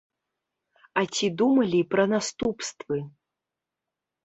А ці думалі пра наступствы?